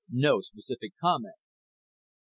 NO SPECIFIC COMMENT Q.